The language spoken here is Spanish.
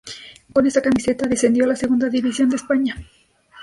Con esta camiseta descendió a la segunda división de España.